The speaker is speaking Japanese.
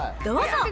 どうぞ。